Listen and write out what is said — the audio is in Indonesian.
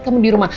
kamu di rumah